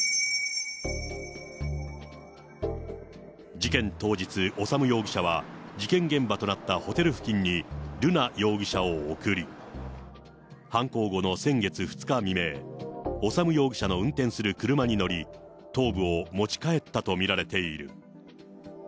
事件当日、修容疑者は事件現場となったホテル付近に瑠奈容疑者を送り、犯行後の先月２日未明、修容疑者の運転する車に乗り、頭部を持ち帰ったと見られている。